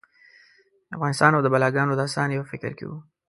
افغانستان او د بلاګانو داستان یې په فکر کې و.